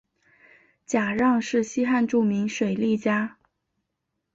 贾让是西汉著名水利家。